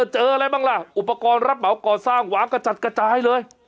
เจออะไรบ้างล่ะอุปกรณ์รับเหมาก่อสร้างหวางกระจัดกระจายเลย